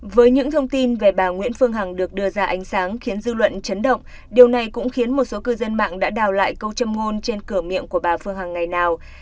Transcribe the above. với những thông tin về bà nguyễn phương hằng được đưa ra ánh sáng khiến dư luận chấn động điều này cũng khiến một số cư dân mạng đã đào lại câu châm ngôn trên cửa miệng của bà phương hằng ngày nào